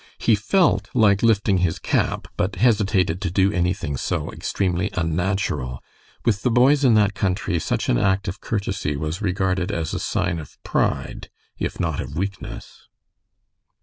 He felt like lifting his cap, but hesitated to do anything so extremely unnatural. With the boys in that country such an act of courtesy was regarded as a sign of "pride," if not of weakness.